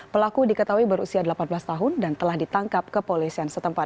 pelaku diketahui berusia delapan belas tahun dan telah ditangkap kepolisian setempat